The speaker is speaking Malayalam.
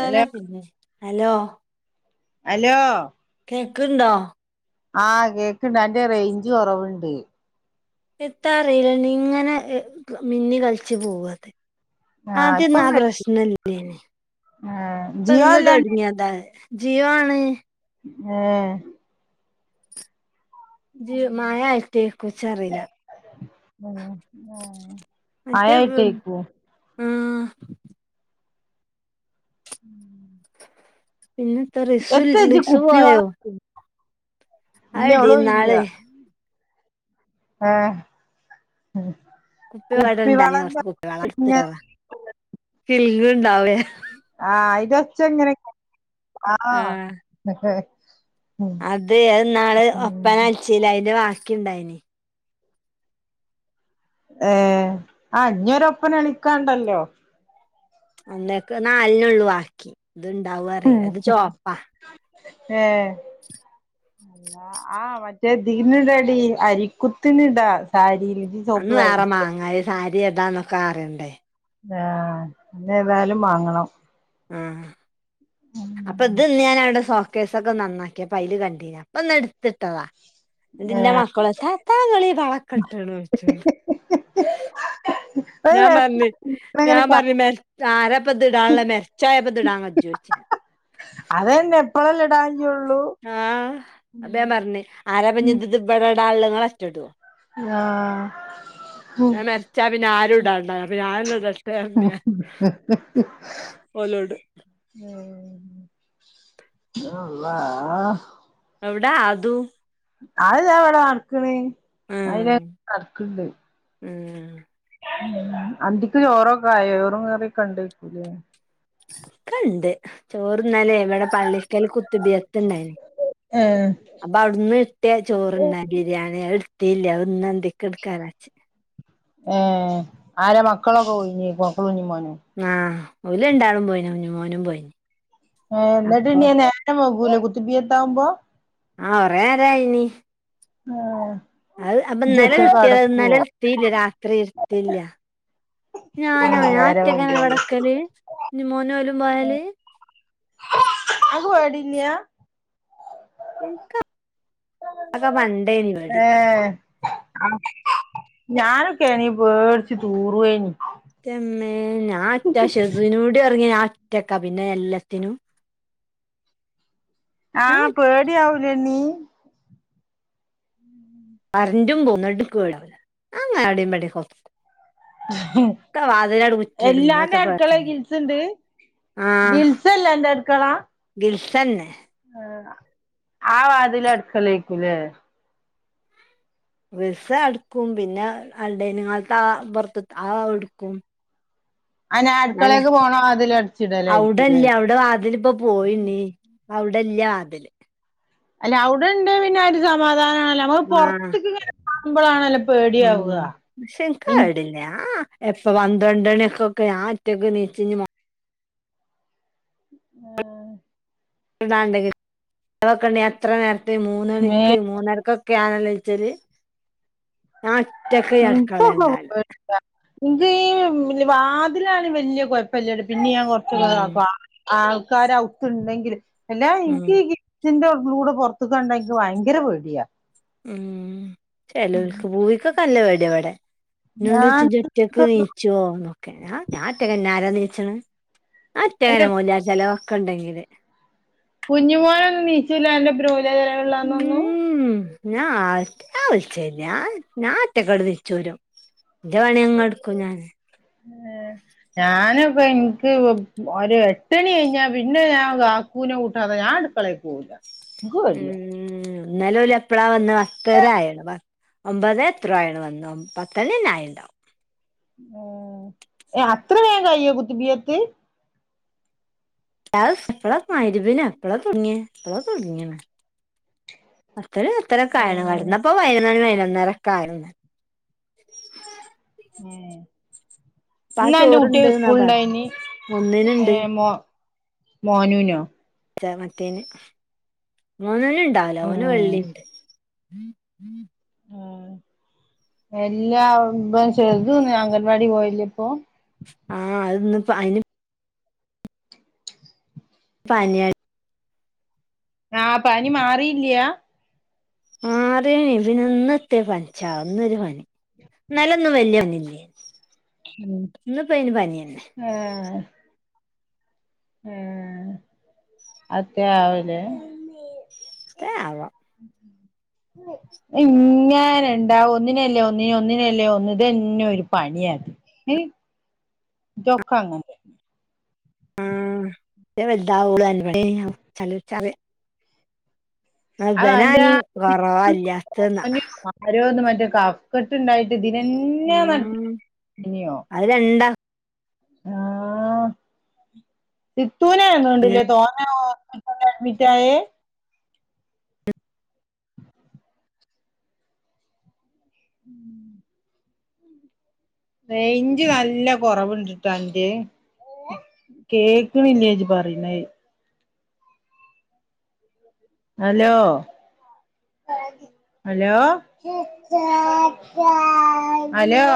ഹലോ പിന്നെ. ഹലോ? അലോ..? കേക്ക്ണ്ടോ? ആഹ്, കേക്കണ്ട്. അന്റെ റേഞ്ച് കൊറവ്ണ്ട്. എത്താ അറീല ഇണ്ണീ, ഇങ്ങനെ മിന്നി കൾച്ച് പോവാത്. ആഹ് ഇപ്പൊ ആത്യൊന്നാ കേ പ്രശ്നല്ലേയ്നി. ഏഹ് ഇപ്പ ജിയോ ഇന്ന് അല്ലാണ്ട് തൊടങ്ങിതാത്. ജിയോ ആണ് ഏ.. ! ഇജ്ജ്, മഴായിട്ടേയ്ക്കും, ഇച് അറീല്ല. ഉം. ഏഹ്, അതായിട്ടേയ്ക്കും. ആ... ഹ്, [inaudible] പിന്നെ, എത്താ? എത്ത ഇജ്ജ് [unintelligible] വായോ? കുപ്പിവെള്ളം ഇല്ല അയ് ടീ ഓള് ന്നാള് ആഹ്. ഉം. ഇങ്ങനെ [unintelligible] ആഹ്, അയിന്റൊച്ച ങ്ങനെയ്ക്കാരം ല്ലേ? ആഹ് ഉം അതെ അതിന്നാള് ഒപ്പന അളിച്ചില്ലേ അതിന്റെ ബാക്കിയുണ്ടായീന് ഏഹ്! ആഹ്, ഞ്ഞൊരൊപ്പനളിക്കാണ്ടല്ലോ!. അന്നേക്ക് നാലിനുള്ളു വാക്കി ഇത് ഇണ്ടാവോഅറീല്ലാ ഇത് ചോപ്പാ ഏ അള്ളാ ആ മറ്റ് റ്റേ തീന് ഇടെടി, അരിക്കുത്തിന് ടാ. സാരീല് അന്ന് ആറാ മാങ്ങാ. സാരി ഏതാന്നൊക്കെ അറേണ്ടേ. ! ന്നേ? ഞ് ഏതാലും മാങ്ങണം. ആ അപ്പൊ ഇത് ഇന്നുഞാനവിടെ സോ സൂകേസൊക്കെ നന്നാക്കിയേപ്പൊ അയ്ല് കണ്ടിനാ. അപ്പൊന്ന്, ട്ത്തിട്ടതാ. തിന്റെ ഏഹ് മക്കളെ ദെത്താ ങ്ങളീ വളക്കെട്ട്ണോയ്ച്ചും. [inaudible] ഞ്ഞാംപർഞ് ഇങ്ങനെ ഞാം കാ പർഞ്ഞ് മെര് ആരപ്പത്ത്ടാള്ളെ മെര്ച്ചൊയപ്പത് ഇടാകജ്ജോയിച് ഞാന് അതെന്നെ ഇപ്പോളെല്ലേടാൻ ക ആഹ് അപ്പ ഞാ പർഞ്ഞ് ആരാപ്പത്ഞ്ഞ് ഇബടെടാള്ളെ ഇങ്ങളെറ്റെടൊ? ആഹാ ഞാൻ മെര്ച്ച പിന്നെ ആരും ഇടാണ്ടവുല്ല അപ്പിന്നെ ഞാനെന്നെടെ ഓലോട് [inaudible] ഏഹേ? അള്ളാ എവ്ടെ ആദു? അഹ്താ ഇവടെ നട്ക്ണ് ഉം അയിലങ്ങനെ നട്ക്ക്‌ണ്ട്. ഉം ഉം അന്തിക്ക് ചോറൊക്കെ ആയോ ചോറും കറിക്കെണ്ടെക്കുലേ? ക്കെണ്ട് ചോറ്ന്നലേ ഇവടെ പള്ളിക്കൽ കുത്ത് ബിയത്ത്ണ്ടായിനി ഏഹ് അപ്പവ്ട്ന്ന് കിട്ടിയ ചോറ്ണ്ട് ബിരിയാണി അഹ് എട്ത്തില്ല അഹ് ഇന്നന്തിക് ഇട്ക്കാജാര്ച്ച് ഏഹേ ആരെ മക്കളൊക്കെ പോയിനേക്കും മക്കള് കുഞ്ഞിമോനും ആഹ് ഓല് ലണ്ടാളും പോയിണ് കുഞ്ഞിമോനും പോയി. എന്നിട്ട്ണ്ണിയെ നേരം വെഗ്ഗൂലേ കുത്തി ബീയത്താവുമ്പോ? ആഹ് കൊറേ നേരായിനി ആഹാ അത് അപ്പന്നെലെ കിട്ടിയതാ ഇന്നലെ ഇട്ത്തില്യ രാത്രി ഇട്ത്തില്ല്യാ ഞാനോ ഉം ഞാൻ നേരം വൈകിയോണ്ട് ഒറ്റക്കാന്നെല്ലെവടെക്കല് ഇന്റെ മോനോലും പോയല്. അനക്ക് പേടില്ല്യ? ഇൻക്കറി ഇവടിം ഏഹേ ഞാനൊക്കെണെങ്കി പേട്ച്ചു തൂറേനി ന്റെമ്മേ ഞാഒറ്റ ഷസിനൂടിയൊറങ്ങി ഞ്ഞാ ഒറ്റക്ക പിന്നെല്ലെത്തിനും. ഞാൻ ആഹ് പേടി ആവൂലേണ്ണീ? കരണ്ടും പോവും എന്നട്ട്ക്ക് പേടില്ല്യ ഞാങ്ങെനെ ഔടിംമ്പെടിയൊക്കെ പോയിക്കും. ഇഹ് കുറ്റിയിടും പിന്നെ എല്ലാതെ എത്താ അടക്കളേല് പേട്ച്ച്ണ് ഗിൽസ്ണ്ട്? ആഹ് ഗിൽസല്ലേ അന്റട്ക്കള? ഗിൽസന്നെ ആ വാതില് അടുക്കളേക്ക്ലേ? ഗിൽസട്ക്കും പിന്നെ അ ഡെയിനിങ്ഹാളത്തെ ആഹാ പൊറ്ത്ത്ത്തെ ആഹ് അടക്കും ആഹ് ഞാൻ ആന്നെ അടുക്കളേക്ക് പോണ വാതില് അടച്ചിടലായിരിക്കൂലേ ഔടെല്ല്യാ ഔടെ വാതില്പ്പം പോയിണ്ണീ ഇപ്പഅവിടല്ല്യാ വാതില് അല്ല അവ്ടെണ്ട് പിന്നെ ആ ഒരു സമാധാനാണല്ലോ നമ്മള് ആഹ് പുറത്തിക്ക്ങ്ങനെ കാണുമ്പളാണല്ലോ പേടിയാവാ? ഇൻക്ക് ഞാ എപ്പൊ പന്ത്രണ്ടണികൊക്കെ ഞാ ഒറ്റക്ക് നീച്ചി ഇഞ് മോ ഏഹ് കെണ്ടെ [unintelligible] എത്ര നേരെത്തെ മേ മൂന്നണിക്ക് മൂന്നരക്കൊക്കെ ഒക്കെ ഞാനല്ലെ നീച്ചല് ഞ ഒറ്റ ഇൻകൊക്കെ പേടിയാ ഇൻക്കീ വാതിലാണെ വല്ല്യ കൊഴപ്പല്ല്യാട്ടോ പിന്നിം ഞാ ഉം കൊറച്ചൊക്കെതാക്കും [unintelligible] ആൾക്കാരൗത്ത്ണ്ടെങ്കില് അല്ലാ ഉം ഇനിക്കീ ഗിൽ ഗിൽസിന്റെ ഉള്ളൂടെ പൊറ്ത്ത്ക്ക്കണ്ടാ എന്ക്ക് ഭയങ്കര പേട്യ. ഉംഹ് ചെലോൽക്ക് പൂവിക്കൊക്കെ നല്ല പേടിയാവടെ ഇന്നോണ്ടൊയ്ച്ച് ഞാൻ ഇജൊറ്റക് നീച്ചോന്നൊക്കെ ഞാർഞ്ഞ് ഞാഒറ്റക്കെന്നെ പിന്നാരാ നീച്ച്ണെ ഞാ അല്ല ഒറ്റക്കെന്നെ മോല്യാർ ചെലവൊക്കെണ്ടെകില് കുഞ്ഞിമോനൊന്നും നീച്ചുല്ല അന്റെപ്പെരം മോല്ല്യാരെ ചെലവ്ള്ളന്നൊന്നും? ഞാ ആർ ഞാ വിള്ചേല്ല്യ ഞാ ഞാ ഒറ്റക്കാട്ട് തിര്ച്ചോരും ന്റെ പണിങ്ങടുക്കു ഞാന് ഉം ഞാന്പ്പോ എനിക്ക് ഒരു എട്ടണി ഴിഞ്ഞാ പിന്നെ ഞാൻ ക കൂനെ കൂട്ടാതെ ഞാട്കളെക്ക് പോകൂല ഉം ന്നലഓല് എപ്പഴാ വന്ന് പത്തരായീണ് ഒമ്പതെത്രോ ആയീണ് വനന്ന് പത്തണിയന്നെ അയീണ്ടാവും ഏ അത്ര വേ കയ്യോ കുത്തിബിയത്ത് അഹ് പ്പള മഹ്‌റിബിന്ന് പ്പളാ തുടങ്ങിയ പ്പളാ തോടങ്ങിണ് പത്തണി പത്തര ഏ കയീണ് കഡ്ന്നപ്പോ ഇപ്പൊ പയ്നോന്നാണി പയ്നൊന്നരയൊക്ക അവല്ണ്ട് ആ ഹേ അപ്പൊ ആ ഇന്ന് അന്റെ ചോറുണ്ട് കുട്ടിക്ക് എന്നാ സ്കൂൾ പറഞ്ഞു ഉണ്ടായിനണി ഏ ഒന്നിനുണ്ട് മോ മോനുനോ ചേ മറ്റേയ്ൻ മോനൂന് ഉണ്ടാവൂലാ ഓന് ഉം വെള്ളി ഇണ്ട് ഉം ഉം ഉം എല്ലാ ചെറർതോന്നും അംഗൻവാടി പോകാലില്ലപ്പോ ആഹ് അഹ്‌ ഇന്ന് പനി പനിയാടി ആഹ്‌ പനി മാറില്ല മാറീനി പിന്നെ ന്നത്തെ പനിച്ചവോ ഇന്നൊരു പനി ന്നല്ലൊന്നും വല്ല്യത് ഒന്നുല്ലേനി ഇന്ന് പ്പോ പനിയെന്നേ ഹേ ഉംഅത് എത്യാവല്ലേ എത്യേവോ? ഉം ഇങ്ങന ഇണ്ടാവും ഒന്നിനല്ലേ ഒന്നിന് ഒന്നിനല്ലേ ഒന്നിന് ഇതന്നെ ഒരു പണിയാണ് അയ്‌ ഇതെക്കെ അങ്ങനെ തന്നെ ഉം മറ്റേത് വലുതാവൂല്ലേയ്നി ഇച്ച് അറിയാ അത് അന്റെ ഇബനാനി ആ കുറവല്ലാത്ത് ന്ന ആരോന്ന് മറ്റേ കഫ്ക്കെട്ട് ണ്ടായിട്ട് ഇത് നന്നെ നടന്നിലേയ്നോ അയ് രണ്ട ആഹ് സിത്തൂന്നോണ്ടില്ലേ തോന്നന ഹോ അഡ്മിറ്റായെ ഉം റെയ്ഞ്ച് നല്ല കൊറവ്ണ്ട് ടെ അന്റെയ് കേക്ക്ണില്ല ഇജ് പറയ്ണെ ഹലോ ഹലോ ഹലോ